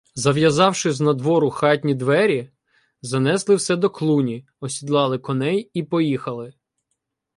Зав'язавши знадвору хатні двері, занесли все до клуні, осідлали коней і поїхали.